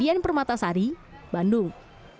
dian permatasari bandung